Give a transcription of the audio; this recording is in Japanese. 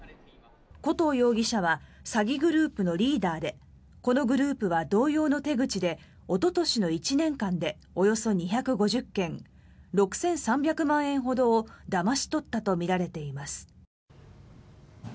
古藤容疑者は詐欺グループのリーダーでこのグループは同様の手口でおととしの１年間でおよそ２５０件６３００万円ほどをだまし取ったとみられています。